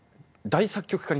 大作曲家？